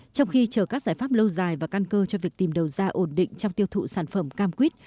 trong khi chờ các giải pháp lâu dài và căn cơ cho việc tìm đầu ra ổn định trong tiêu thụ sản phẩm cam quýt